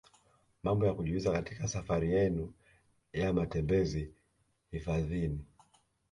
Mambo ya kujiuliza katika safari yenu ya matembezi hifadhini